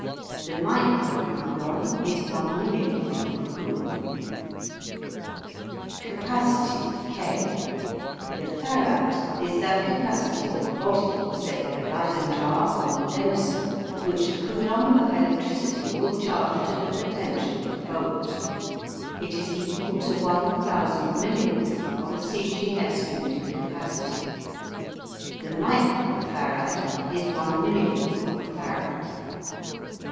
The micro coulomb is one millionth of a coulomb. CAPACITY K. The farad is that capacity of a body, say a Leyden jar or condenser, which a coulomb of electricity will charge to the potential of a volt. It is equal to one thousand millionth of a C. G. S. unit of capacity. The micro farad is one millionth of a Farad.